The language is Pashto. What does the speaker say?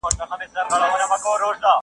ما اغزي پکښي لیدلي په باغوان اعتبار نسته؛